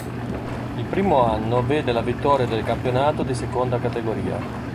Il primo anno vede la vittoria del campionato di Seconda Categoria.